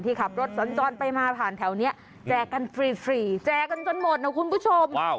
ขับรถสัญจรไปมาผ่านแถวนี้แจกกันฟรีแจกกันจนหมดนะคุณผู้ชม